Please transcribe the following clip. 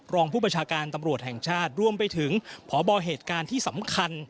รองผู้ประชาการตำรวจแห่งชาติรวมไปถึงพบเหตุการณ์ที่สำคัญ